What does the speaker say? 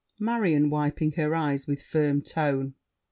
MARION (wiping her eyes: with firm tone).